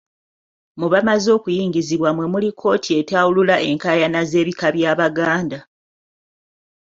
Mu bamaze okuyingizibwa mwe muli Kooti Etawulula Enkaayana z'Ebika By'Abaganda.